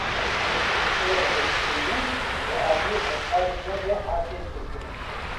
Ev hevpeyvîn, ji aliyê hevkarê me ve hate çêkirin